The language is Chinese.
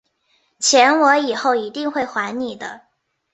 钱我以后一定会还你的